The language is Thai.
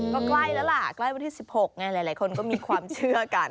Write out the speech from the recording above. ก็ใกล้แล้วล่ะใกล้วันที่๑๖ไงหลายคนก็มีความเชื่อกัน